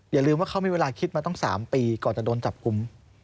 อย่าลืมว่าเขามีเวลาคิดมาตั้ง๓ปีก่อนจะโดนจับกุม